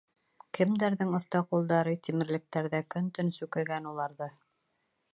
Кемдәрҙең оҫта ҡулдары тимерлектәрҙә көн-төн сүкегән уларҙы?